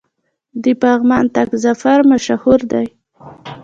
د پغمان طاق ظفر مشهور دی